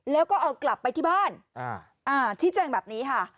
แล้วก็เอากลับไปที่บ้านชี้แจงแบบนี้ค่ะ